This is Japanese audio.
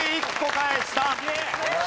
返したね。